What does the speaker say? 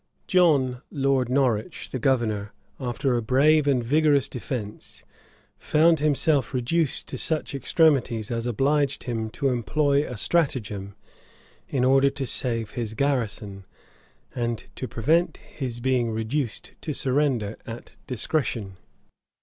John Lord Norwich, the governor, after a brave and vigorous defence, found himself reduced to such extremities as obliged him to employ a stratagem, in order to save his garrison, and to prevent his being reduced to surrender at discretion.